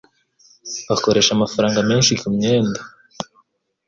Akoresha amafaranga menshi kumyenda.